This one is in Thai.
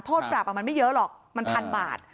โทษกราบอ่ะมันไม่เยอะหรอกมัน๑๐๐๐บาท